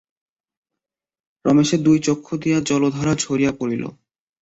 রমেশের দুই চক্ষু দিয়াও জলধারা ঝরিয়া পড়িল।